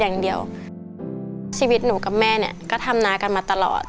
อย่างเดียวชีวิตหนูกับแม่เนี่ยก็ทำนากันมาตลอด